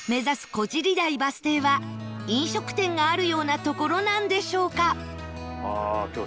湖尻台バス停は飲食店があるような所なんでしょうか？